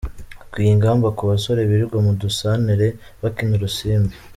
Hakwiye ingamba ku basore birirwa mu dusantere bakina urusimbi.